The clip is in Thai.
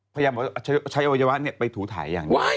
พยายามขอใช้อวัยวะเนี่ยไปถูทัยอย่างนี้